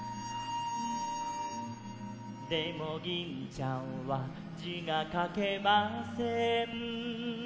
「でもぎんちゃんはじがかけません」